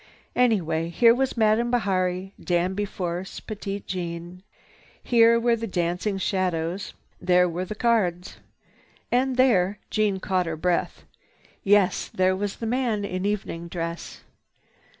Anyway, here was Madame Bihari, Danby Force, Petite Jeanne. Here were the dancing shadows. There were the cards. And there—Jeanne caught her breath. Yes, there was the man in evening dress.